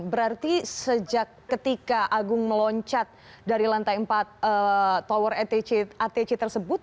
berarti sejak ketika agung meloncat dari lantai empat tower atc tersebut